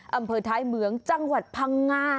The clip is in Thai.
อำเภอท้ายเหมืองจังหวัดพังงา